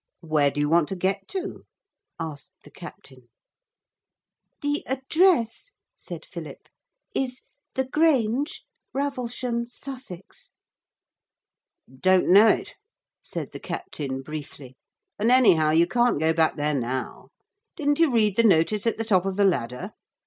'Where do you want to get to?' asked the captain. 'The address,' said Philip, 'is The Grange, Ravelsham, Sussex.' 'Don't know it,' said the captain briefly, 'and anyhow you can't go back there now. Didn't you read the notice at the top of the ladder?